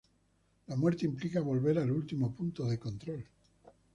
La muerte implica volver al último punto de control.